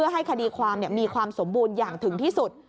ให้คดีความมีความสมบูรณ์อย่างถึงที่สุด